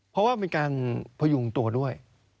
เพราะว่าเป็นการพยุงตัวด้วย